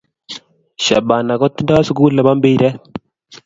Shabana kotindo skul nebo mbiret